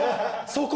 そこ。